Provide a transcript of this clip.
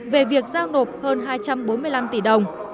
về việc giao nộp hơn hai trăm bốn mươi năm tỷ đồng